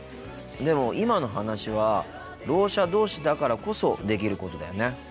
でも今の話はろう者同士だからこそできることだよね。